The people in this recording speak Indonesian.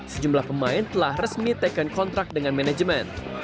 sejumlah pemain telah resmi taken kontrak dengan manajemen